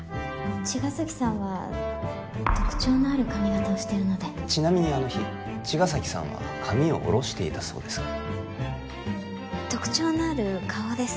茅ヶ崎さんは特徴のある髪形をしてるのでちなみにあの日茅ヶ崎さんは髪を下ろしていたそうですが特徴のある顔です